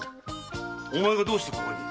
お前がどうしてここに？